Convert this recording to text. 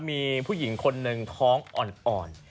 มีผู้หญิงคนหนึ่งท้องอ่อน